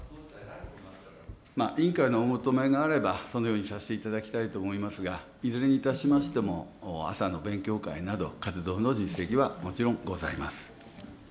委員会のお求めがあれば、そのようにさせていただきたいと思いますが、いずれにいたしましても、朝の勉強会など、活動の実績はもちろんございます。